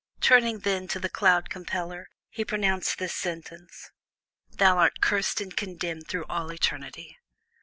Turning then to the Cloud Compeller, he pronounced this sentence: "Thou art cursed and condemned through all eternity."